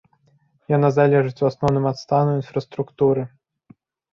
Яна залежыць у асноўным ад стану інфраструктуры.